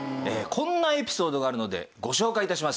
こんなエピソードがあるのでご紹介致します。